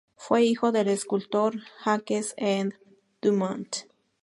Fue hijo del escultor Jacques-Edme Dumont.